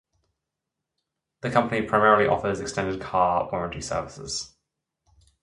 The company primarily offers extended car warranty services.